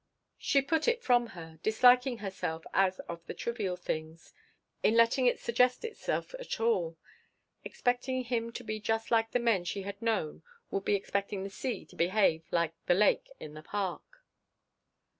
She put it from her, disliking herself as of the trivial things in letting it suggest itself at all. Expecting him to be just like the men she had known would be expecting the sea to behave like that lake in the park.